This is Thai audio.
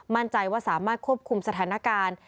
มั่นใจว่าสามารถควบคุมสถานการณ์